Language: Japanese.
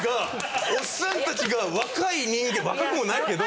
おっさんたちが若い人間若くもないけど。